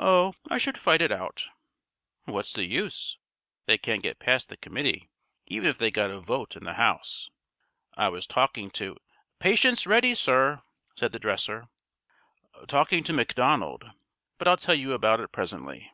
"Oh, I should fight it out." "What's the use. They can't get past the committee even if they got a vote in the House. I was talking to " "Patient's ready, sir," said the dresser. "Talking to McDonald but I'll tell you about it presently."